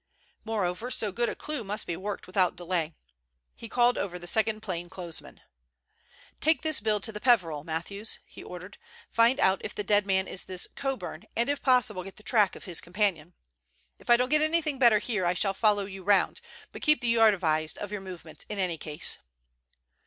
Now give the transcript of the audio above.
Moreover, so good a clue must be worked without delay. He called over the second plain clothes man. "Take this bill to the Peveril, Matthews," he ordered. "Find out if the dead man is this Coburn, and if possible get on the track of his companion. If I don't get anything better here I shall follow you round, but keep the Yard advised of your movements in any case."